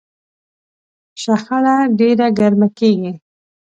شخړه ډېره ګرمه کېږي.